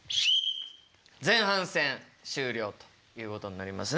前半戦終了ということになりますね。